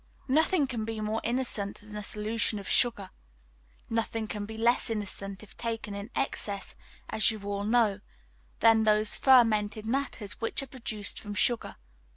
Nothing can be more innocent than a solution of sugar; nothing can be less innocent, if taken in excess, as you all know, than those fermented matters which are produced from sugar.